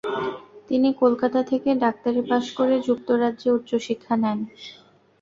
তিনি কলকাতা থেকে ডাক্তারি পাস করে যুক্তরাজ্যে উচ্চশিক্ষা নেন।